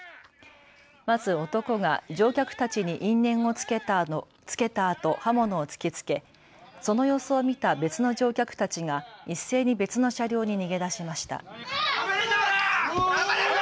まず男が乗客たちに因縁をつけたあと、刃物を突きつけその様子を見た別の乗客たちが一斉に別の車両に逃げ出しました。